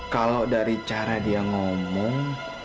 kalau dari cara dia ngomong